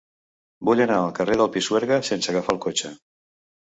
Vull anar al carrer del Pisuerga sense agafar el cotxe.